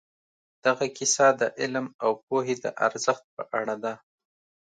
دغه کیسه د علم او پوهې د ارزښت په اړه ده.